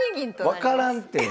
分からんて。